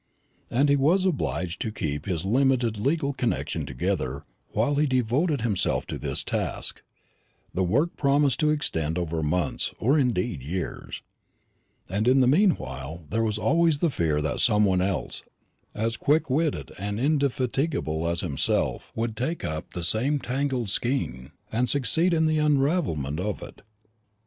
And as he was obliged to keep his limited legal connection together while he devoted himself to this task, the work promised to extend over months, or indeed years; and in the meanwhile there was always the fear that some one else, as quick witted and indefatigable as himself, would take up the same tangled skein and succeed in the unravelment of it.